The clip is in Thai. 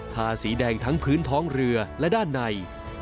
ทาสีแดงทั้งพื้นท้องเรือและด้านใน